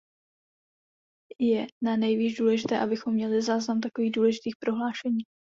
Je nanejvýš důležité, abychom měli záznam takových důležitých prohlášení.